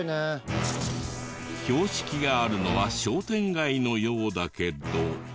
標識があるのは商店街のようだけど。